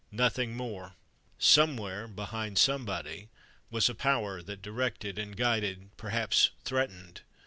Nothing more. Somewhere, behind Somebody, was a Power that directed and guided—perhaps threatened.